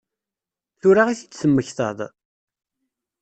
Tura i t-id-temmektaḍ?